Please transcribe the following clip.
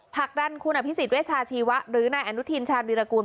ผลักดันคุณอภิษฎเวชาชีวะหรือนายอนุทินชาญวิรากูล